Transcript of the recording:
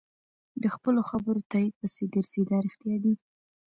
د خپلو خبرو تایید پسې ګرځي دا رښتیا دي.